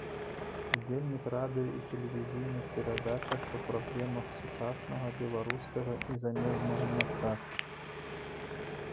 Удзельнік радыё і тэлевізійных перадачах па праблемах сучаснага беларускага і замежнага мастацтва.